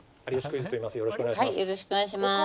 よろしくお願いします。